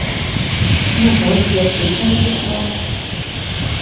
Ну, вось, я песню напісаў.